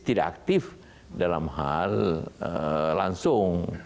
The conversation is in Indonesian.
tidak aktif dalam hal langsung